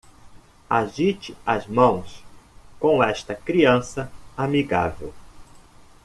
Agite as mãos com esta criança amigável.